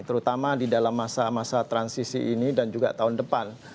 terutama di dalam masa masa transisi ini dan juga tahun depan